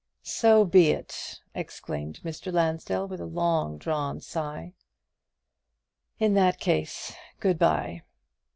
"So be it!" exclaimed Mr. Lansdell, with a long drawn sigh. "In that case, good bye."